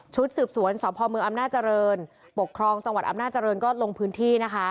ชุดสืบสวนสภพมืออำนาจรณ์ปกครองจังหวัดอำนาจรณ์ก็ลงพื้นที่